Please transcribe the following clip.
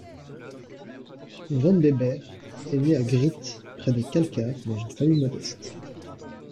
Van Bebber est né à Grieth près de Kalkar dans une famille modeste.